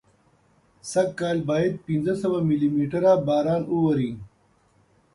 سږکال باید پینځه سوه ملي متره باران واوري.